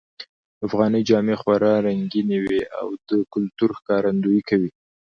افغانۍ جامې خورا رنګینی وی او د کلتور ښکارندویې کوی